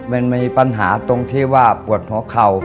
มันมีปัญหาตรงที่ว่าปวดหัวเข่า